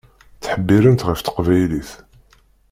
Ttḥebbiṛent ɣef teqbaylit.